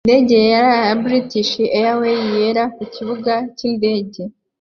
Indege yera ya British Airways yera ku kibuga cyindege